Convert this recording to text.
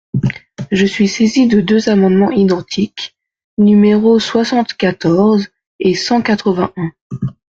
Je suis saisie de deux amendements identiques, numéros soixante-quatorze et cent quatre-vingt-un.